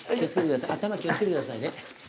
頭気を付けてくださいね。